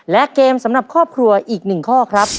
และเกมสำหรับครอบครัวอีก๑ข้อครับ